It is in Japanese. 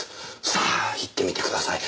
さあ言ってみてください